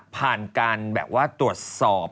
ผ่านการแบบว่าตรวจสอบ